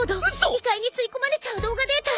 異界に吸い込まれちゃう動画データ。